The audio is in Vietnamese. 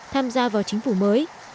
tham gia vào chính phủ mới